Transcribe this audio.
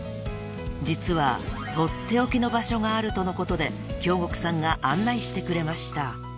［実は取って置きの場所があるとのことで京極さんが案内してくれました］